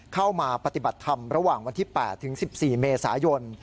เข้ามาปฏิบัติธรรมระหว่างวันที่๘ถึง๑๔เมษายน